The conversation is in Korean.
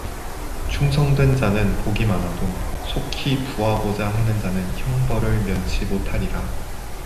충성된 자는 복이 많아도 속히 부하고자 하는 자는 형벌을 면치 못하리라